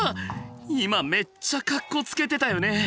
今めっちゃカッコつけてたよね！？